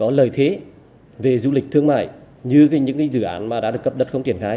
có lợi thế về du lịch thương mại như những dự án mà đã được cấp đất không triển khai